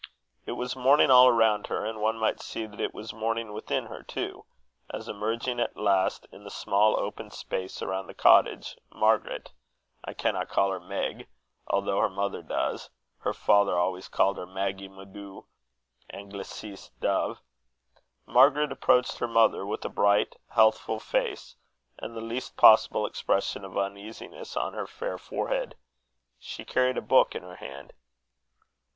It was morning all around her; and one might see that it was morning within her too, as, emerging at last in the small open space around the cottage, Margaret I cannot call her Meg, although her mother does her father always called her "Maggy, my doo," Anglice, dove Margaret approached her mother with a bright healthful face, and the least possible expression of uneasiness on her fair forehead. She carried a book in her hand.